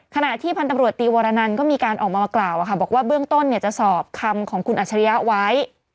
ขณะที่พันธุ์ตำรวจตีวรนันก็มีการออกมากล่าวบอกว่าเบื้องต้นจะสอบคำของคุณอัจฉริยะไว้